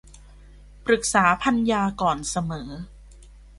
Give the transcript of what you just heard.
ปรึกษาภรรยาก่อนเสมอ